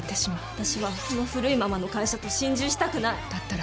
私はこの古いままの会社と心中したくない。